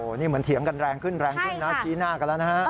นี่เหมือนเถียงกันแรงขึ้นแรงขึ้นนะชี้หน้ากันแล้วนะฮะ